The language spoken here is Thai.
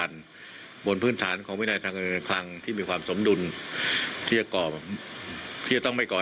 เราลดลงอยู่แล้วนะ